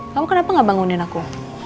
kamu kenapa nggak bangunin aku